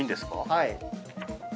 はい。